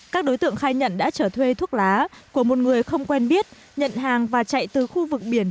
các đối tượng khai nhận đã trở thuê thuốc lá của một người không quen biết nhận hàng và chạy từ khu vực biển